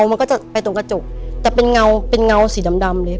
มันก็จะไปตรงกระจกแต่เป็นเงาเป็นเงาสีดำดำเลย